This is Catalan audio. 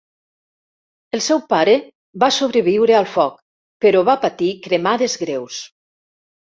El seu pare va sobreviure al foc però va patir cremades greus.